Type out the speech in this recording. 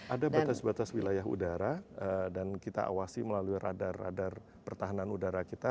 ada batas batas wilayah udara dan kita awasi melalui radar radar pertahanan udara kita